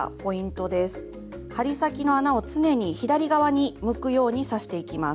針先の穴を常に左側に向くように刺していきます。